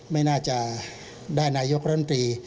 ไม่น่าจะได้นายกรัฐมนตรี